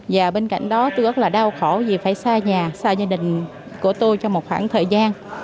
và bên cạnh đó tôi rất là đau khổ vì phải xa nhà xa gia đình của tôi trong một khoảng thời gian